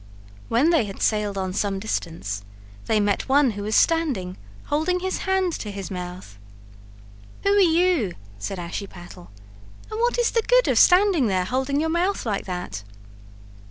When they had sailed on some distance they met one who was standing holding his hand to his mouth. "Who are you?" said Ashiepattle, "and what is the good of standing there, holding your mouth like that?"